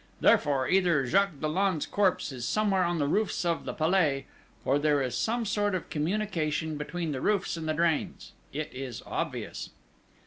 Therefore, either Jacques Dollon's corpse is somewhere on the roofs of the Palais, or there is some sort of communication between the roofs and the drains it is obvious!"